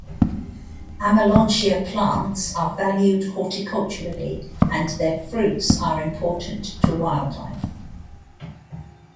"Amelanchier" plants are valued horticulturally, and their fruits are important to wildlife.